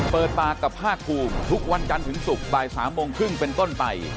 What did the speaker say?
เปิดปากกับภาคภูมิทุกวันจันทร์ถึงศุกร์บ่าย๓โมงครึ่งเป็นต้นไป